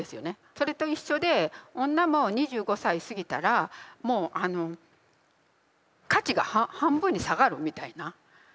それと一緒で女も２５歳過ぎたらもう価値が半分に下がるみたいな。